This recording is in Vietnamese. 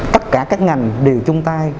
tất cả các ngành đều chung tay